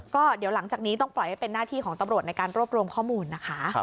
ก็เดี๋ยวหลังจากนี้ต้องปล่อยให้เป็นหน้าที่ของตำรวจในการรวบรวมข้อมูลนะคะ